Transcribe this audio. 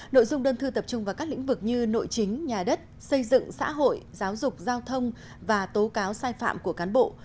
nội dung đơn thư tập trung vào các lĩnh vực như nội chính nhà đất xây dựng xã hội giáo dục giao thông và tố cáo sai phạm của cán bộ